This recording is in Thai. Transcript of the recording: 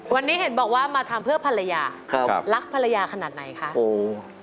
วันนี้เห็นบอกว่ามาทำเพื่อภรรยาครับรักภรรยาขนาดไหนคะโอ้